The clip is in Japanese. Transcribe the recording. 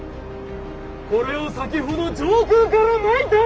これを先ほど上空からまいた！